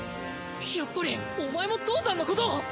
やっぱりお前も父さんのことを！？